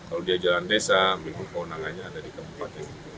kalau dia jalan desa ambil pahunangannya ada di kebupaten